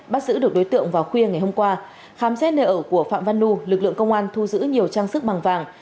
bắt giữ được đối tượng vào khuya ngày hôm qua khám xét nơi ở của phạm văn nu lực lượng công an thu giữ nhiều trang sức bằng vàng